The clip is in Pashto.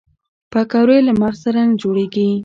پکورې له مغز سره نه جوړېږي